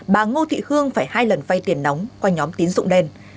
bà ngô thị hương phải hai lần vai tiền nóng qua nhóm tiến dụng đen